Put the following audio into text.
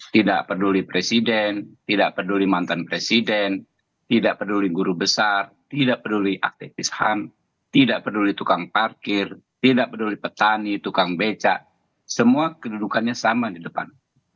tidak peduli presiden tidak peduli mantan presiden tidak peduli guru besar tidak peduli aktivis ham tidak peduli tukang parkir tidak peduli petani tukang becak semua kedudukannya sama di depan